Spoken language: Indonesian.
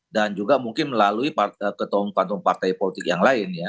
dan juga mungkin melalui ketua ketua partai politik yang lain ya